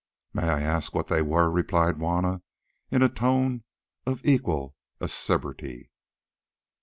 "Might I ask what they were?" replied Juanna, in a tone of equal acerbity.